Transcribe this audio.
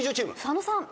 佐野さん。